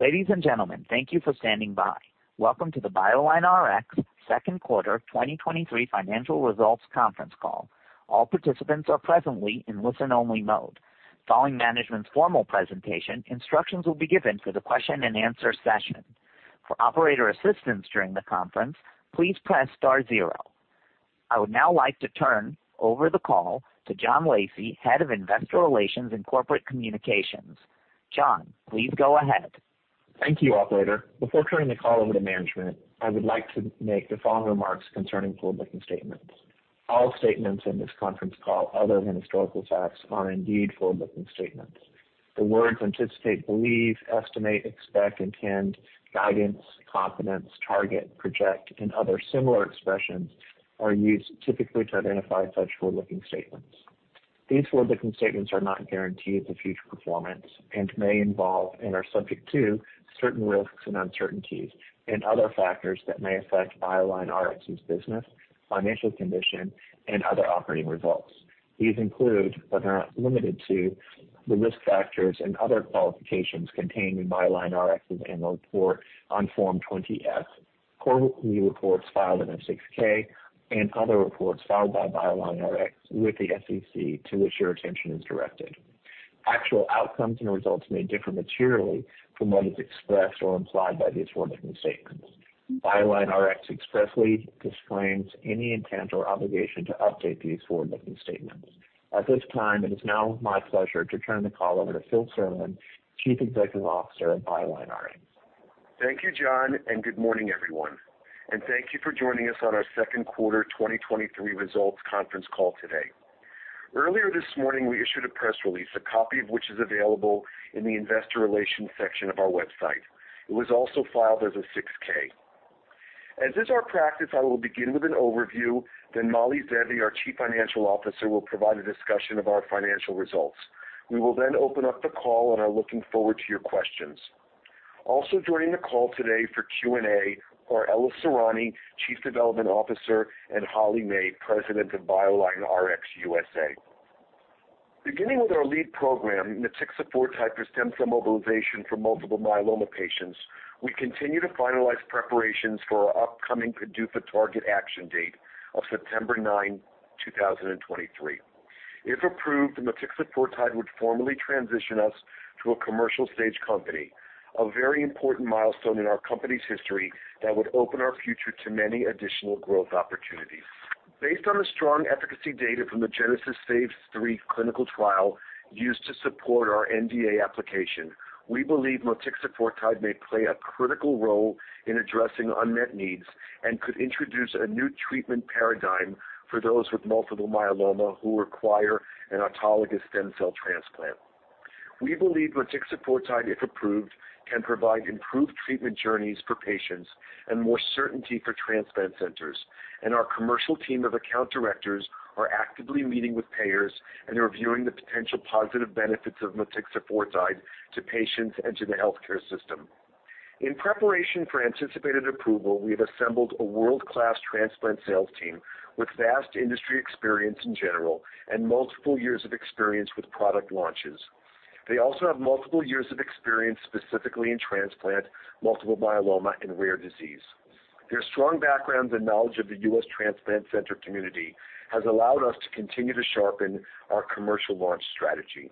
Ladies and gentlemen, thank you for standing by. Welcome to the BioLineRx Second Quarter 2023 Financial Results Conference Call. All participants are presently in listen-only mode. Following management's formal presentation, instructions will be given for the question-and-answer session. For operator assistance during the conference, please press star zero. I would now like to turn over the call to John Lacey, Head of Investor Relations and Corporate Communications. John, please go ahead. Thank you, operator. Before turning the call over to management, I would like to make the following remarks concerning forward-looking statements. All statements in this conference call other than historical facts are indeed forward-looking statements. The words anticipate, believe, estimate, expect, intend, guidance, confidence, target, project, and other similar expressions are used typically to identify such forward-looking statements. These forward-looking statements are not guarantees of future performance and may involve and are subject to certain risks and uncertainties and other factors that may affect BioLineRx's business, financial condition, and other operating results. These include, but are not limited to, the risk factors and other qualifications contained in BioLineRx's annual report on Form 20-F, quarterly reports filed in Form 6-K and other reports filed by BioLineRx with the SEC, to which your attention is directed. Actual outcomes and results may differ materially from what is expressed or implied by these forward-looking statements. BioLineRx expressly disclaims any intent or obligation to update these forward-looking statements. At this time, it is now my pleasure to turn the call over to Philip Serlin, Chief Executive Officer of BioLineRx. Thank you, John, and good morning, everyone, and thank you for joining us on our second quarter 2023 results conference call today. Earlier this morning, we issued a press release, a copy of which is available in the investor relations section of our website. It was also filed as a 6-K. As is our practice, I will begin with an overview, then Mali Zeevi, our Chief Financial Officer, will provide a discussion of our financial results. We will then open up the call and are looking forward to your questions. Also joining the call today for Q&A are Ella Sorani, Chief Development Officer, and Holly May, President of BioLineRx USA. Beginning with our lead program, motixafortide for stem cell mobilization for multiple myeloma patients, we continue to finalize preparations for our upcoming PDUFA target action date of September 9, 2023. If approved, motixafortide would formally transition us to a commercial-stage company, a very important milestone in our company's history that would open our future to many additional growth opportunities. Based on the strong efficacy data from the GENESIS phase 3 clinical trial used to support our NDA application, we believe motixafortide may play a critical role in addressing unmet needs and could introduce a new treatment paradigm for those with multiple myeloma who require an autologous stem cell transplant. We believe motixafortide, if approved, can provide improved treatment journeys for patients and more certainty for transplant centers. Our commercial team of account directors are actively meeting with payers and are viewing the potential positive benefits of motixafortide to patients and to the healthcare system. In preparation for anticipated approval, we have assembled a world-class transplant sales team with vast industry experience in general and multiple years of experience with product launches. They also have multiple years of experience, specifically in transplant, multiple myeloma, and rare disease. Their strong background and knowledge of the U.S. transplant center community has allowed us to continue to sharpen our commercial launch strategy.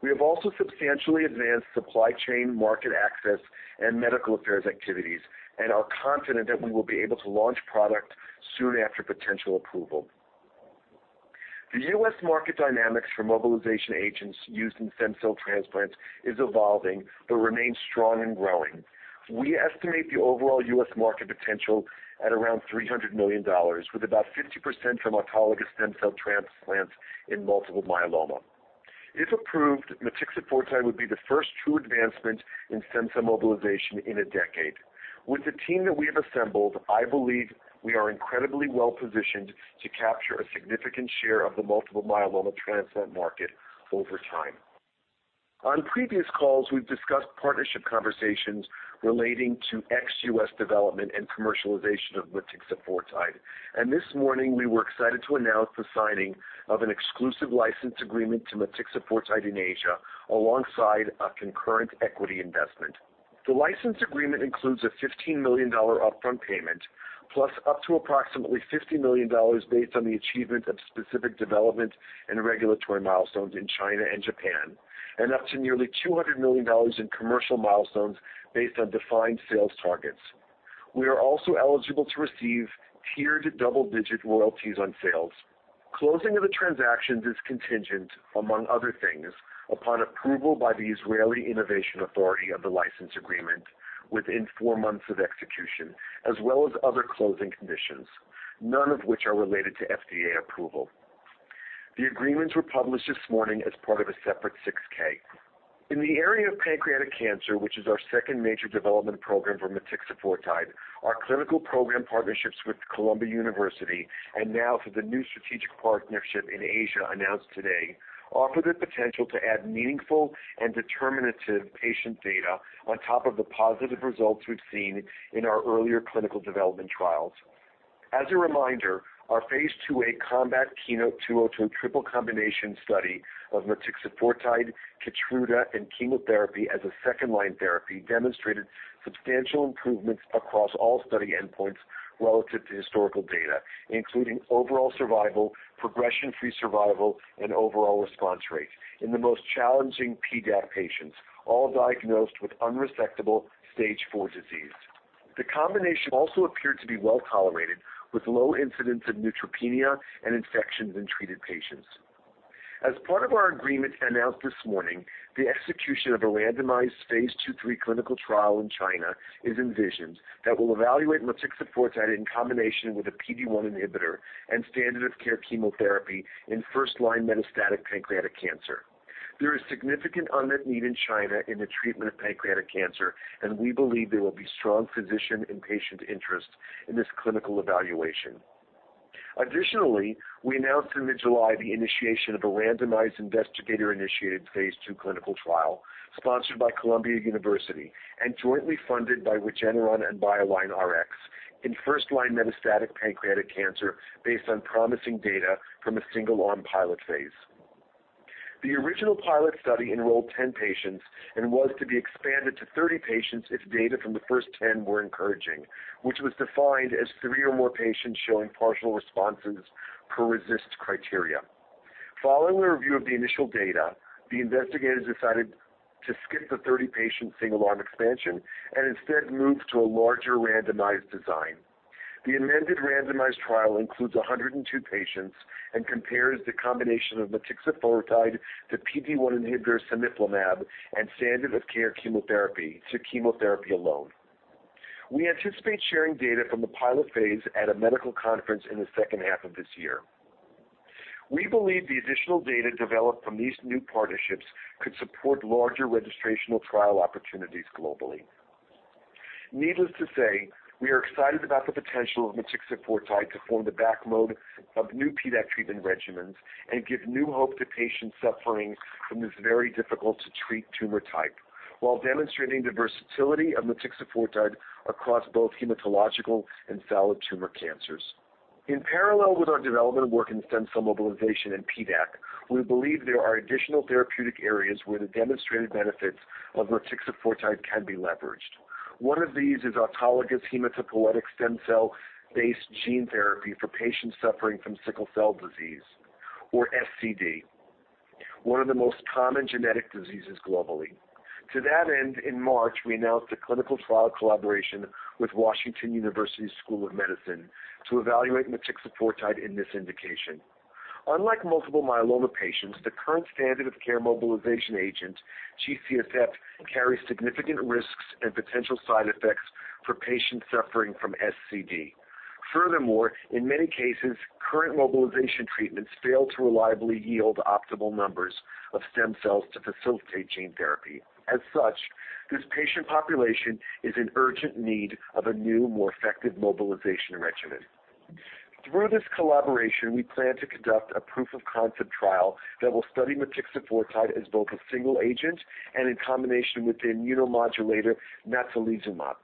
We have also substantially advanced supply chain, market access, and medical affairs activities and are confident that we will be able to launch product soon after potential approval. The U.S. market dynamics for mobilization agents used in stem cell transplants is evolving but remains strong and growing. We estimate the overall U.S. market potential at around $300 million, with about 50% from autologous stem cell transplants in multiple myeloma. If approved, motixafortide would be the first true advancement in stem cell mobilization in a decade. With the team that we have assembled, I believe we are incredibly well-positioned to capture a significant share of the multiple myeloma transplant market over time. On previous calls, we've discussed partnership conversations relating to ex-US development and commercialization of motixafortide, and this morning we were excited to announce the signing of an exclusive license agreement to motixafortide in Asia, alongside a concurrent equity investment. The license agreement includes a $15 million upfront payment, plus up to approximately $50 million based on the achievement of specific development and regulatory milestones in China and Japan, and up to nearly $200 million in commercial milestones based on defined sales targets. We are also eligible to receive tiered double-digit royalties on sales. Closing of the transactions is contingent, among other things, upon approval by the Israeli Innovation Authority of the license agreement within four months of execution, as well as other closing conditions, none of which are related to FDA approval. The agreements were published this morning as part of a separate 6-K. In the area of pancreatic cancer, which is our second major development program for motixafortide, our clinical program partnerships with Columbia University and now for the new strategic partnership in Asia announced today, offer the potential to add meaningful and determinative patient data on top of the positive results we've seen in our earlier clinical development trials. As a reminder, our phase IIa COMBAT Keynote-202 triple combination study of motixafortide, Keytruda, and chemotherapy as a second-line therapy demonstrated substantial improvements across all study endpoints relative to historical data, including overall survival, progression-free survival, and overall response rate in the most challenging PDAC patients, all diagnosed with unresectable Stage IV disease. The combination also appeared to be well tolerated, with low incidence of neutropenia and infections in treated patients. As part of our agreement announced this morning, the execution of a randomized phase II-III clinical trial in China is envisioned that will evaluate motixafortide in combination with a PD-1 inhibitor and standard of care chemotherapy in first-line metastatic pancreatic cancer. There is significant unmet need in China in the treatment of pancreatic cancer, and we believe there will be strong physician and patient interest in this clinical evaluation. Additionally, we announced in mid-July the initiation of a randomized investigator-initiated phase II clinical trial sponsored by Columbia University and jointly funded by Regeneron and BioLineRx in first-line metastatic pancreatic cancer based on promising data from a single-arm pilot phase. The original pilot study enrolled 10 patients and was to be expanded to 30 patients if data from the first 10 were encouraging, which was defined as three or more patients showing partial responses per RECIST criteria. Following a review of the initial data, the investigators decided to skip the 30-patient single-arm expansion and instead move to a larger randomized design. The amended randomized trial includes 102 patients and compares the combination of motixafortide to PD-1 inhibitor cemiplimab and standard of care chemotherapy to chemotherapy alone. We anticipate sharing data from the pilot phase at a medical conference in the second half of this year. We believe the additional data developed from these new partnerships could support larger registrational trial opportunities globally. Needless to say, we are excited about the potential of motixafortide to form the backbone of new PDAC treatment regimens and give new hope to patients suffering from this very difficult-to-treat tumor type, while demonstrating the versatility of motixafortide across both hematological and solid tumor cancers. In parallel with our development work in stem cell mobilization in PDAC, we believe there are additional therapeutic areas where the demonstrated benefits of motixafortide can be leveraged. One of these is autologous hematopoietic stem cell-based gene therapy for patients suffering from sickle cell disease, or SCD, one of the most common genetic diseases globally. To that end, in March, we announced a clinical trial collaboration with Washington University School of Medicine to evaluate motixafortide in this indication. Unlike multiple myeloma patients, the current standard of care mobilization agent, G-CSF, carries significant risks and potential side effects for patients suffering from SCD. Furthermore, in many cases, current mobilization treatments fail to reliably yield optimal numbers of stem cells to facilitate gene therapy. As such, this patient population is in urgent need of a new, more effective mobilization regimen. Through this collaboration, we plan to conduct a proof-of-concept trial that will study motixafortide as both a single agent and in combination with the immunomodulator natalizumab.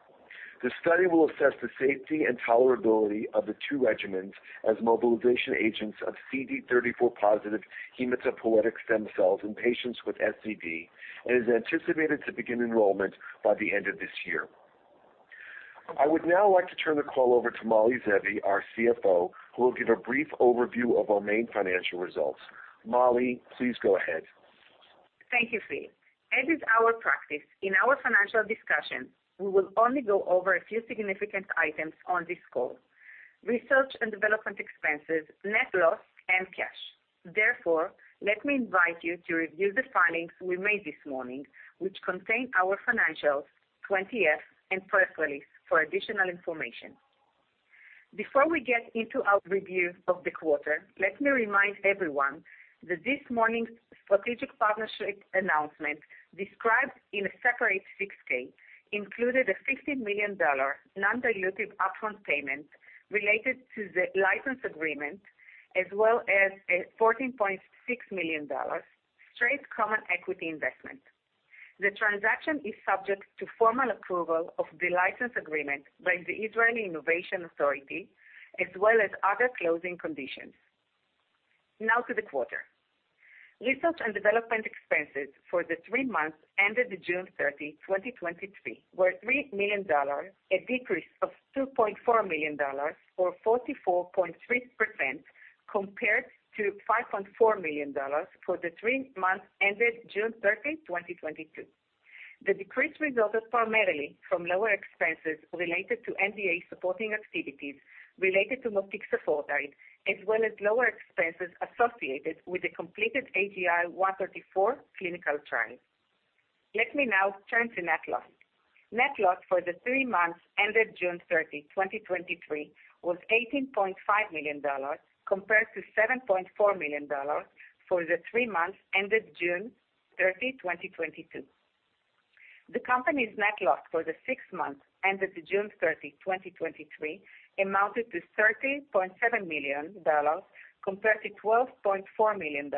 The study will assess the safety and tolerability of the two regimens as mobilization agents of CD34 positive hematopoietic stem cells in patients with SCD and is anticipated to begin enrollment by the end of this year. I would now like to turn the call over to Mali Zeevi, our CFO, who will give a brief overview of our main financial results. Mali, please go ahead. Thank you, Phil. As is our practice, in our financial discussion, we will only go over a few significant items on this call: research and development expenses, net loss, and cash. Therefore, let me invite you to review the filings we made this morning, which contain our financials, 20-F, and press release for additional information. Before we get into our review of the quarter, let me remind everyone that this morning's strategic partnership announcement, described in a separate 6-K, included a $50 million non-dilutive upfront payment related to the license agreement, as well as a $14.6 million straight common equity investment. The transaction is subject to formal approval of the license agreement by the Israeli Innovation Authority, as well as other closing conditions. Now to the quarter. Research and development expenses for the three months ended June 30, 2023, were $3 million, a decrease of $2.4 million, or 44.3%, compared to $5.4 million for the three months ended June 30, 2022. The decrease resulted primarily from lower expenses related to NDA-supporting activities related to motixafortide, as well as lower expenses associated with the completed AGI-134 clinical trial. Let me now turn to net loss. Net loss for the three months ended June 30, 2023, was $18.5 million, compared to $7.4 million for the three months ended June 30, 2022. The company's net loss for the six months ended June 30, 2023, amounted to $13.7 million, compared to $12.4 million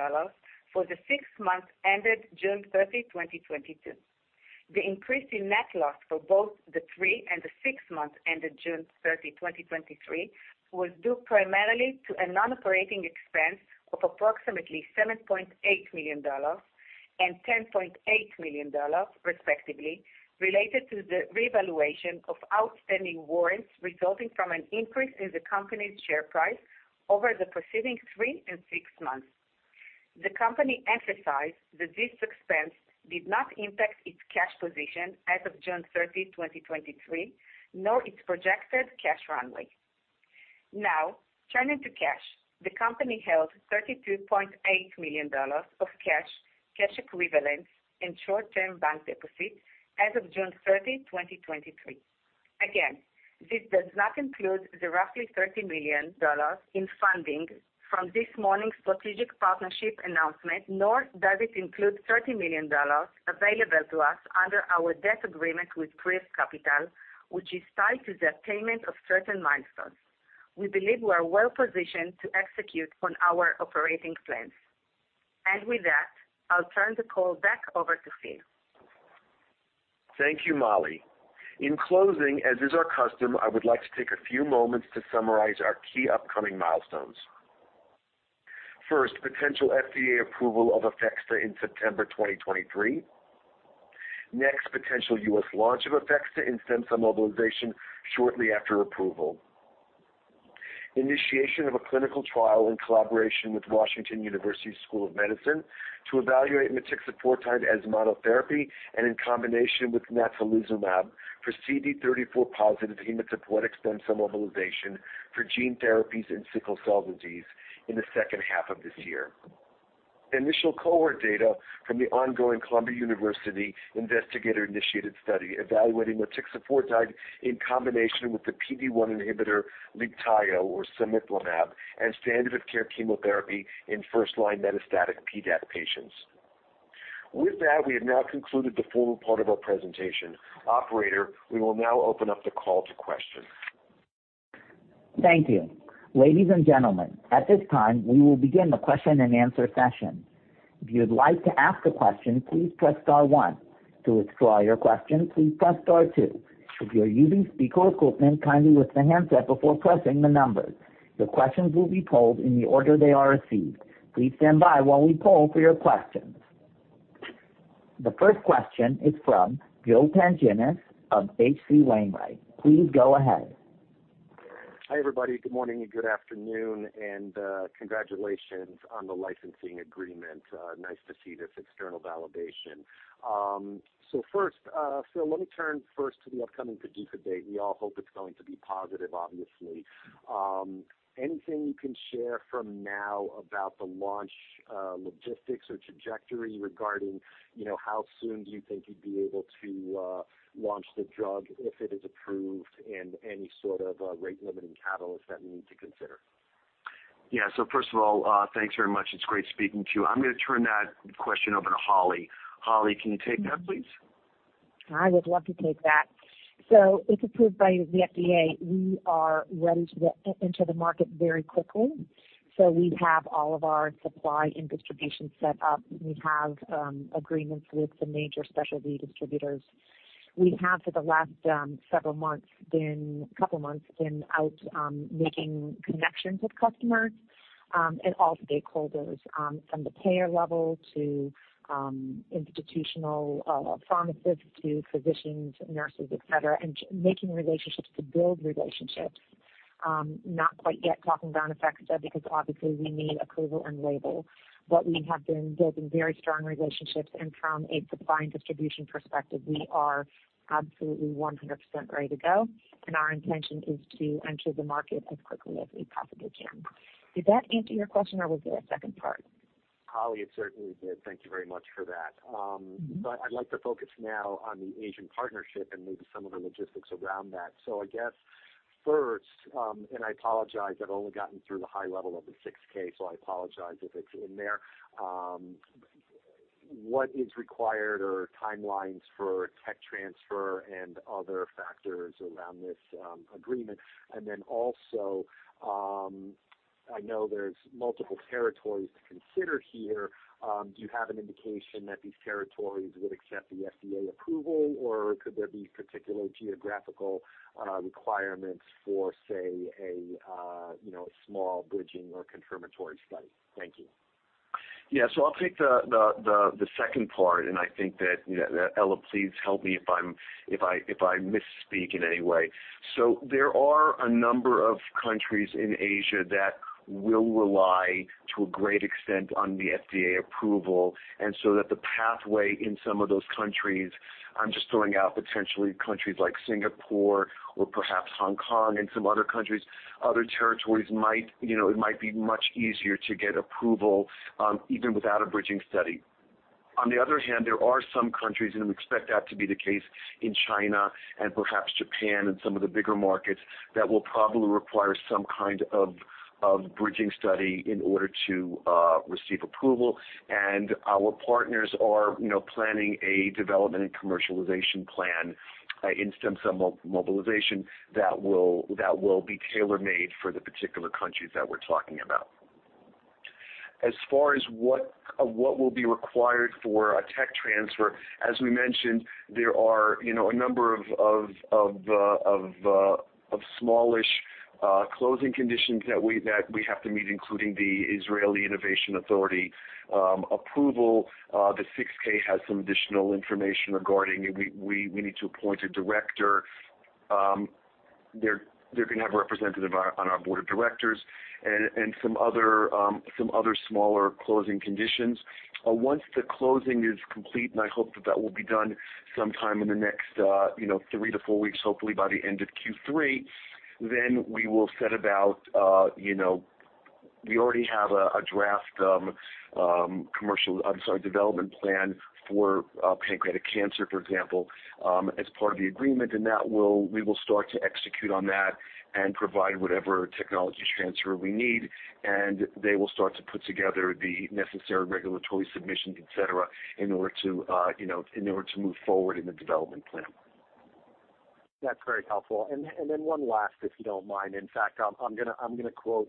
for the six months ended June 30, 2022.... The increase in net loss for both the 3 and the 6 months ended June 30, 2023, was due primarily to a non-operating expense of approximately $7.8 million and $10.8 million, respectively, related to the revaluation of outstanding warrants resulting from an increase in the company's share price over the preceding 3 and 6 months. The company emphasized that this expense did not impact its cash position as of June 30, 2023, nor its projected cash runway. Now, turning to cash. The company held $32.8 million of cash, cash equivalents, and short-term bank deposits as of June 30, 2023. Again, this does not include the roughly $30 million in funding from this morning's strategic partnership announcement, nor does it include $30 million available to us under our debt agreement with Kreos Capital, which is tied to the attainment of certain milestones. We believe we are well positioned to execute on our operating plans. And with that, I'll turn the call back over to Phil. Thank you, Mali. In closing, as is our custom, I would like to take a few moments to summarize our key upcoming milestones. First, potential FDA approval of Aphexda in September 2023. Next, potential U.S. launch of Aphexda and stem cell mobilization shortly after approval. Initiation of a clinical trial in collaboration with Washington University School of Medicine to evaluate motixafortide as monotherapy and in combination with natalizumab for CD34+ hematopoietic stem cell mobilization for gene therapies and sickle cell disease in the second half of this year. Initial cohort data from the ongoing Columbia University investigator-initiated study, evaluating motixafortide in combination with the PD-1 inhibitor Libtayo or cemiplimab, and standard of care chemotherapy in first-line metastatic PDAC patients. With that, we have now concluded the formal part of our presentation. Operator, we will now open up the call to questions. Thank you. Ladies and gentlemen, at this time, we will begin the question-and-answer session. If you'd like to ask a question, please press star one. To withdraw your question, please press star two. If you're using speaker equipment, kindly lift the handset before pressing the numbers. Your questions will be polled in the order they are received. Please stand by while we poll for your questions. The first question is from Joe Pantginis of H.C. Wainwright. Please go ahead. Hi, everybody. Good morning and good afternoon, and, congratulations on the licensing agreement. Nice to see this external validation. So first, Phil, let me turn first to the upcoming PDUFA date. We all hope it's going to be positive, obviously. Anything you can share from now about the launch, logistics or trajectory regarding, you know, how soon do you think you'd be able to, launch the drug if it is approved and any sort of, rate-limiting catalysts that we need to consider? Yeah. So first of all, thanks very much. It's great speaking to you. I'm going to turn that question over to Holly. Holly, can you take that, please? I would love to take that. So if approved by the FDA, we are ready to get into the market very quickly. So we have all of our supply and distribution set up. We have agreements with the major specialty distributors. We have, for the last couple of months, been out making connections with customers and all stakeholders from the payer level to institutional pharmacists to physicians, nurses, et cetera, and making relationships to build relationships. Not quite yet talking about Aphexda, because obviously we need approval and label, but we have been building very strong relationships, and from a supply and distribution perspective, we are absolutely 100% ready to go, and our intention is to enter the market as quickly as we possibly can. Did that answer your question, or was there a second part? Holly, it certainly did. Thank you very much for that. But I'd like to focus now on the Asian partnership and maybe some of the logistics around that. So I guess first, and I apologize, I've only gotten through the high level of the 6-K, so I apologize if it's in there. What is required or timelines for tech transfer and other factors around this agreement? And then also, I know there's multiple territories to consider here. Do you have an indication that these territories would accept the FDA approval, or could there be particular geographical requirements for, say, a, you know, a small bridging or confirmatory study? Thank you. Yeah. So I'll take the second part, and I think that, you know, Ella, please help me if I misspeak in any way. So there are a number of countries in Asia that will rely, to a great extent, on the FDA approval, and so that the pathway in some of those countries, I'm just throwing out potentially countries like Singapore or perhaps Hong Kong and some other countries, other territories might, you know, it might be much easier to get approval, even without a bridging study. On the other hand, there are some countries, and we expect that to be the case in China and perhaps Japan and some of the bigger markets, that will probably require some kind of bridging study in order to receive approval. Our partners are, you know, planning a development and commercialization plan in stem cell mobilization that will be tailor-made for the particular countries that we're talking about. As far as what will be required for a tech transfer, as we mentioned, there are, you know, a number of smallish closing conditions that we have to meet, including the Israeli Innovation Authority approval. The 6-K has some additional information regarding it. We need to appoint a director. They're gonna have a representative on our board of directors and some other smaller closing conditions. Once the closing is complete, and I hope that that will be done sometime in the next, you know, 3-4 weeks, hopefully by the end of Q3, then we will set about, you know, we already have a draft commercial, I'm sorry, development plan for pancreatic cancer, for example, as part of the agreement, and that will... We will start to execute on that and provide whatever technology transfer we need, and they will start to put together the necessary regulatory submissions, et cetera, in order to, you know, in order to move forward in the development plan. That's very helpful. And then one last, if you don't mind. In fact, I'm gonna quote,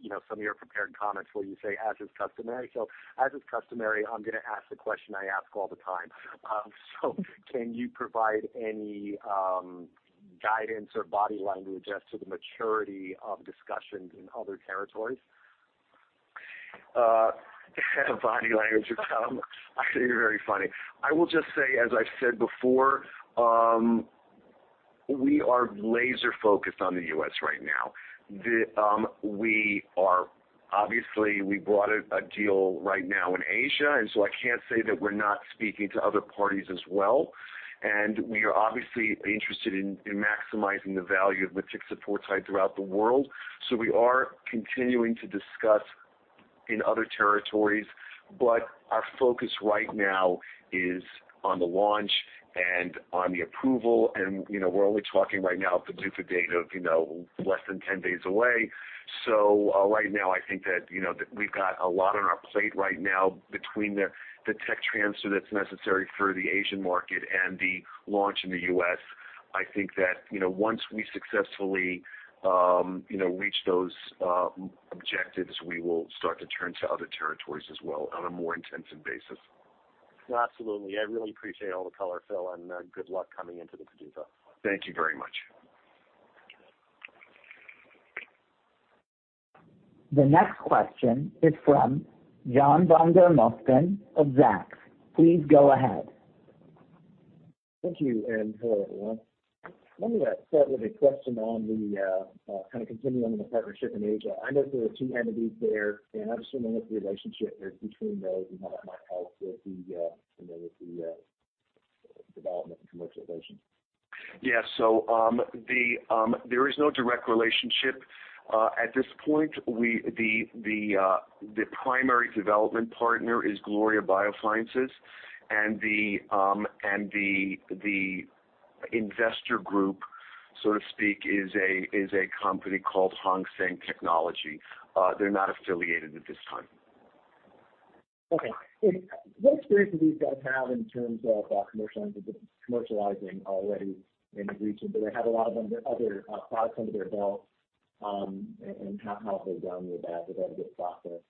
you know, some of your prepared comments where you say, "As is customary." So as is customary, I'm gonna ask the question I ask all the time. So can you provide any guidance or body language as to the maturity of discussions in other territories? Body language, Tom, you're very funny. I will just say, as I've said before, we are laser focused on the U.S. right now. We are obviously... We brought a deal right now in Asia, and so I can't say that we're not speaking to other parties as well. And we are obviously interested in maximizing the value of motixafortide throughout the world. So we are continuing to discuss in other territories, but our focus right now is on the launch and on the approval. And, you know, we're only talking right now, PDUFA date of, you know, less than 10 days away. So, right now, I think that, you know, that we've got a lot on our plate right now between the tech transfer that's necessary for the Asian market and the launch in the U.S. I think that, you know, once we successfully, you know, reach those objectives, we will start to turn to other territories as well on a more intensive basis. Absolutely. I really appreciate all the color, Phil, and good luck coming into the PDUFA. Thank you very much. The next question is from John Vandermosten of Zacks. Please go ahead. Thank you, and hello, everyone. Let me start with a question on the kind of continuing on the partnership in Asia. I know there are two entities there, and I'm just wondering what the relationship is between those and how that might help with the, you know, with the development and commercialization. Yeah. So, there is no direct relationship. At this point, the primary development partner is Gloria Biosciences, and the investor group, so to speak, is a company called Hong Seng Technology. They're not affiliated at this time. Okay. And what experience do these guys have in terms of commercializing, commercializing already in the region? Do they have a lot of other products under their belt, and how have they done with that, with that process,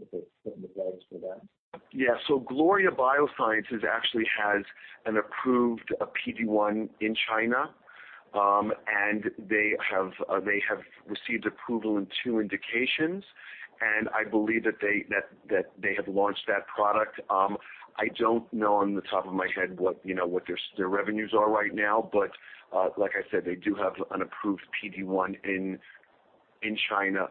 if it's putting the legs for them? Yeah. So Gloria Biosciences actually has an approved PD-1 in China. And they have received approval in two indications, and I believe that they have launched that product. I don't know on the top of my head what, you know, what their revenues are right now, but like I said, they do have an approved PD-1 in China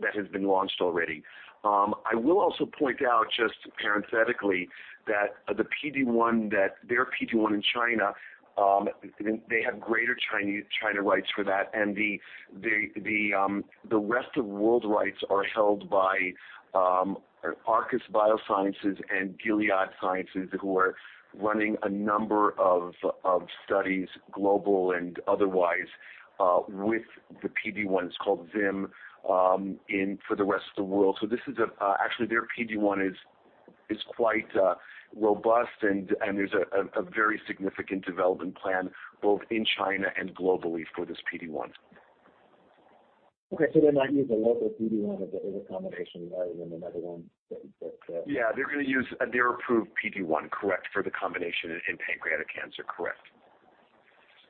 that has been launched already. I will also point out, just parenthetically, that the PD-1, that their PD-1 in China, they have greater China rights for that, and the rest of world rights are held by Arcus Biosciences and Gilead Sciences, who are running a number of studies, global and otherwise, with the PD-1. It's called zimberelimab in for the rest of the world. So this is actually their PD-1 is quite robust, and there's a very significant development plan both in China and globally for this PD-1. Okay, so they might use a local PD-1, but it is a combination rather than another one that, Yeah, they're gonna use their approved PD-1, correct, for the combination in pancreatic cancer. Correct.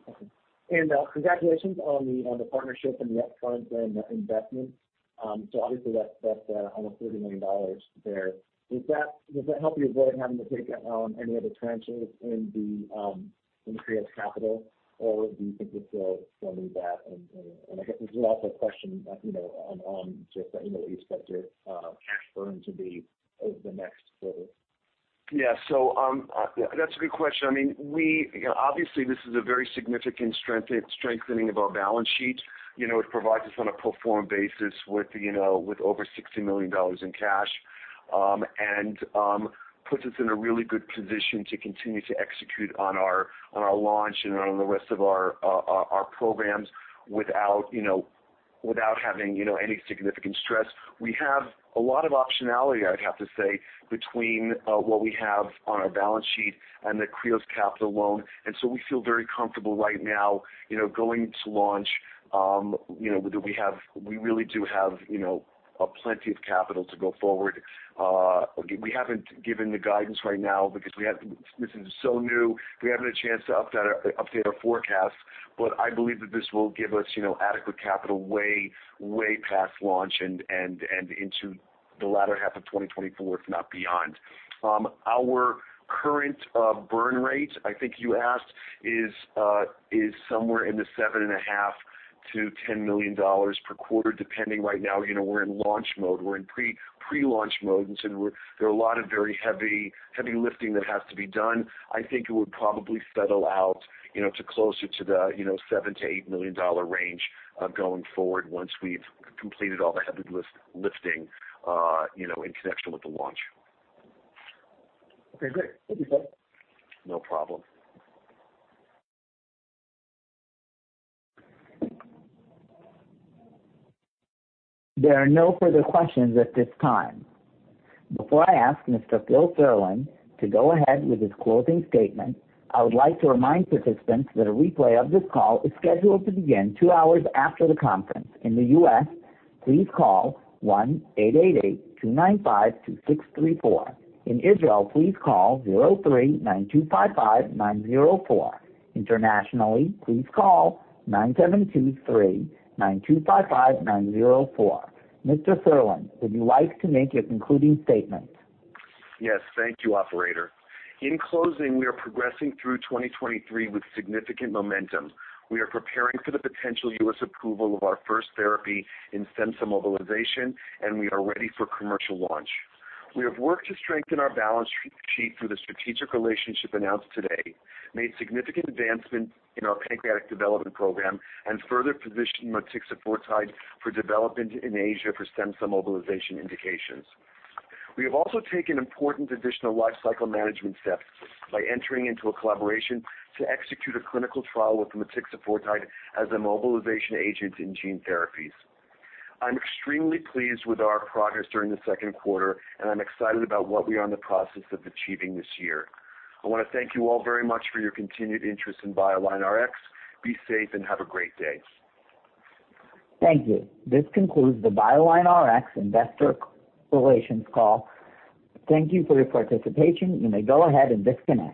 Okay. And, congratulations on the partnership and the upfront and investment. So obviously, that's almost $30 million there. Does that help you avoid having to take any other tranches in the Kreos Capital, or do you think you'll still need that? And I guess there's also a question, you know, on just, you know, what you expect your cash burn to be over the next quarter. Yeah. So, that's a good question. I mean, we, you know, obviously this is a very significant strengthening of our balance sheet. You know, it provides us on a pro forma basis with, you know, with over $60 million in cash, and puts us in a really good position to continue to execute on our, on our launch and on the rest of our, our programs without, you know, without having, you know, any significant stress. We have a lot of optionality, I'd have to say, between what we have on our balance sheet and the Kreos Capital loan, and so we feel very comfortable right now, you know, going to launch. You know, that we have, we really do have, you know, plenty of capital to go forward. We haven't given the guidance right now because we have, this is so new, we haven't had a chance to update our forecast. But I believe that this will give us, you know, adequate capital way, way past launch and into the latter half of 2024, if not beyond. Our current burn rate, I think you asked, is somewhere in the $7.5 million-$10 million per quarter, depending right now. You know, we're in launch mode. We're in pre-launch mode, and so we're... There are a lot of very heavy, heavy lifting that has to be done. I think it would probably settle out, you know, to closer to the, you know, $7 million-$8 million range, going forward once we've completed all the heavy lifting, you know, in connection with the launch. Okay, great. Thank you, sir. No problem. There are no further questions at this time. Before I ask Mr. Phil Serlin to go ahead with his closing statement, I would like to remind participants that a replay of this call is scheduled to begin 2 hours after the conference. In the U.S., please call 1-888-295-2634. In Israel, please call 03-925-5904. Internationally, please call 972-3-925-5904. Mr. Serlin, would you like to make your concluding statement? Yes, thank you, operator. In closing, we are progressing through 2023 with significant momentum. We are preparing for the potential U.S. approval of our first therapy in stem cell mobilization, and we are ready for commercial launch. We have worked to strengthen our balance sheet through the strategic relationship announced today, made significant advancements in our pancreatic development program, and further positioned motixafortide for development in Asia for stem cell mobilization indications. We have also taken important additional lifecycle management steps by entering into a collaboration to execute a clinical trial with motixafortide as a mobilization agent in gene therapies. I'm extremely pleased with our progress during the second quarter, and I'm excited about what we are in the process of achieving this year. I want to thank you all very much for your continued interest in BioLineRx. Be safe and have a great day. Thank you. This concludes the BioLineRx investor relations call. Thank you for your participation. You may go ahead and disconnect.